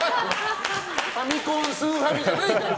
ファミコンスーファミじゃないから！